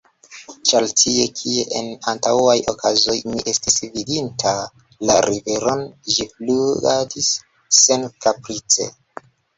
Ĉar tie, kie en antaŭaj okazoj mi estis vidinta la riveron, ĝi fluadis senkaprice.